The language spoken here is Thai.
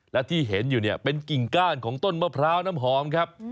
และที่เห็นอยู่เนี่ยเป็นกิ่งก้านของต้นมะพร้าวน้ำหอมครับ